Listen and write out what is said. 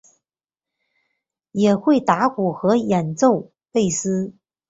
也会打鼓和演奏贝斯。